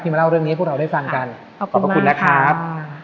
ที่มาเล่าเรื่องนี้ให้พวกเราได้ฟังกันขอบคุณมากขอบคุณนะครับ